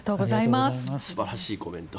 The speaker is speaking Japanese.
素晴らしいコメント。